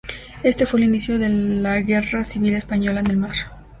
Este fue el inicio de la Guerra Civil Española en el mar.